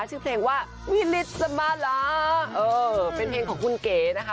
ชื่อเสียงว่าวิฤทธิ์จะมาแล้วเออเป็นเพลงของคุณเก๋นะคะ